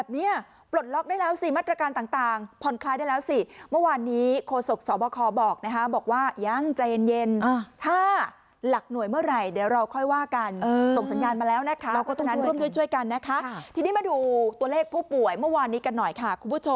ที่นี่หลายคนบอกว่านะ